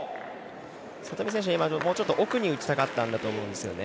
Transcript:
里見選手、もうちょっと奥に打ちたかったんだと思うんですよね。